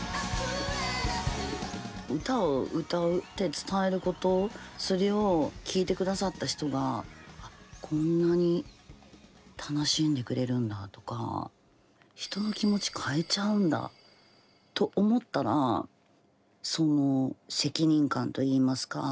歌を歌って伝えることそれを聴いて下さった人があっこんなに楽しんでくれるんだとかと思ったらその責任感といいますか。